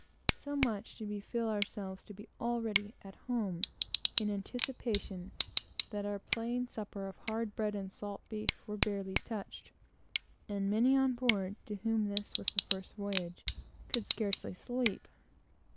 So much did we feel ourselves to be already at home, in anticipation, that our plain supper of hard bread and salt beef was barely touched; and many on board, to whom this was the first voyage, could scarcely sleep.